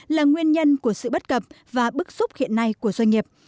là nguyên nhân của sự bất cập và bức xúc hiện nay của doanh nghiệp